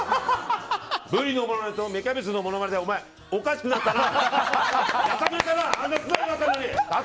ブリと芽キャベツのものまねでおかしくなったな！